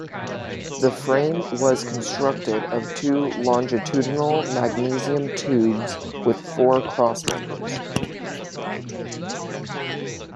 The frame was constructed of two longitudinal magnesium tubes with four crossmembers.